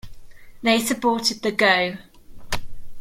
They supported the Go!